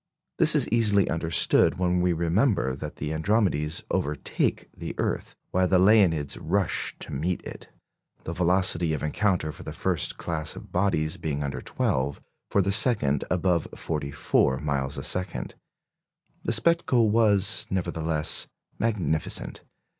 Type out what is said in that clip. This is easily understood when we remember that the Andromedes overtake the earth, while the Leonids rush to meet it; the velocity of encounter for the first class of bodies being under twelve, for the second above forty four miles a second. The spectacle was, nevertheless, magnificent.